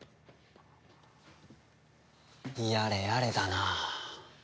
やれやれだな。